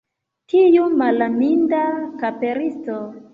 Tiu malaminda kaperisto!